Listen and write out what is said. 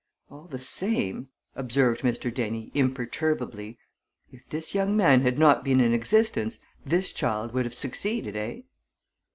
"All the same," observed Mr. Dennie, imperturbably, "if this young man had not been in existence, this child would have succeeded, eh?"